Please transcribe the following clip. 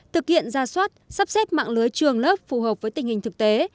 thực hiện ra soát sắp xếp mạng lưới trường lớp phù hợp với tình hình thực tế